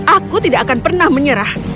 aku tidak akan pernah menyerah